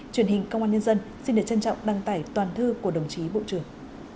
truyền hình công an nhân dân xin được trân trọng đăng tải toàn thư của đồng chí bộ trưởng